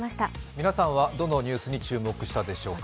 皆さんはどのニュースに注目したでしょうか？